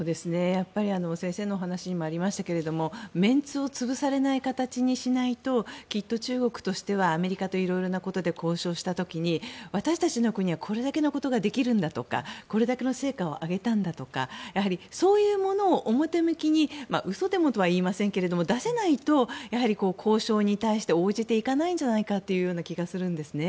先生のお話にもありましたけどメンツを潰されない形にしないときっと中国としてはアメリカといろいろなことで交渉した時に私たちの国はこれだけのことができるんだとかこれだけの成果を上げたんだとかそういうものを表向きに嘘でもとは言いませんが出せないと、やはり交渉に対して応じていかないのではないかという気がするんですね。